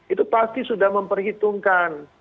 itu pasti sudah memperhitungkan